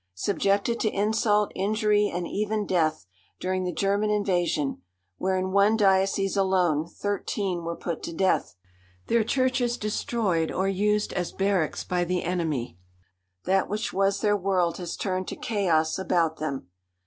Subjected to insult, injury and even death during the German invasion, where in one diocese alone thirteen were put to death their churches destroyed, or used as barracks by the enemy that which was their world has turned to chaos about them.